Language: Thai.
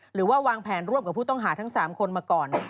หรือว่าวางแผนร่วมกับผู้ต้องหาทั้ง๓คนมาก่อน